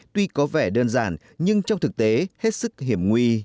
tuy có vẻ đơn giản nhưng trong thực tế hết sức hiểm nguy